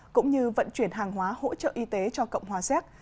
cũng như vận chuyển hàng hóa hỗ trợ y tế cho cộng hòa xét